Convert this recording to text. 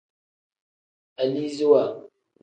Aliziwa.